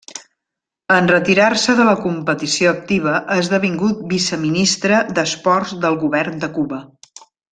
En retirar-se de la competició activa ha esdevingut viceministre d'esports del Govern de Cuba.